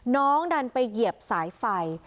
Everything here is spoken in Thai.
น้องดันไปเหยียบสายไฟ